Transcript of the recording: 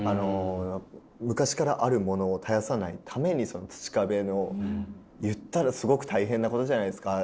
昔からあるものを絶やさないために土壁の言ったらすごく大変なことじゃないですか。